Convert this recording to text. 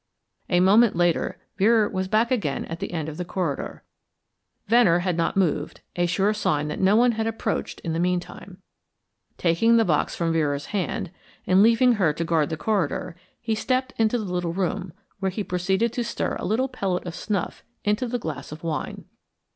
A moment later, Vera was back again at the end of the corridor. Venner had not moved, a sure sign that no one had approached in the meantime. Taking the box from Vera's hand, and leaving her to guard the corridor, he stepped into the little room, where he proceeded to stir a little pellet of snuff into the glass of wine.